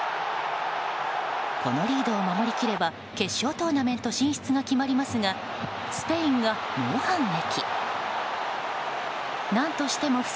このリードを守り切れば決勝トーナメント進出が決まりますがスペインが猛反撃。